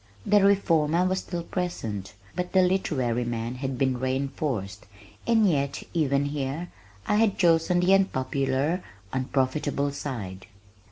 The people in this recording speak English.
The reformer was still present, but the literary man had been reinforced, and yet, even here, I had chosen the unpopular, unprofitable side!